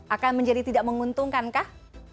akan menjadi tidak menguntungkankah